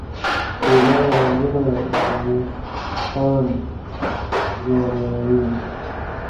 بې ځایه رنګونه وېښتيان زیانمنوي.